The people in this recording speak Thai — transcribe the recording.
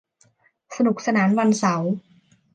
สนุกสนานวันเสาร์